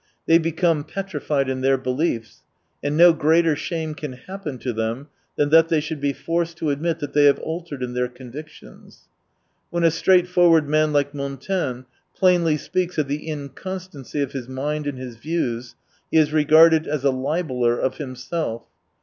Th^y become petrified in their beliefs, and no greater shame can happen to them than that they should be forced to admit that they have altered in their convictions. When a straightforward man like Montaigne plainly speaks of the inconstancy of his mind and his views, he is regarded as a libeller of himself.